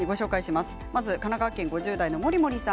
まず、神奈川県５０代の方。